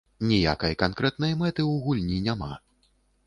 Нейкай канкрэтнай мэты ў гульні няма.